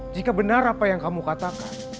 jika benar apa yang kamu katakan